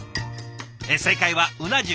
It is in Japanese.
正解はうな重。